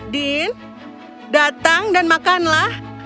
din datang dan makanlah